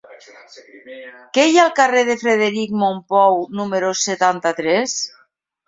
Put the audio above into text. Què hi ha al carrer de Frederic Mompou número setanta-tres?